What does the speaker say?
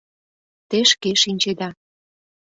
— Те шке шинчеда...